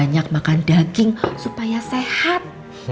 banyak makan daging supaya sehat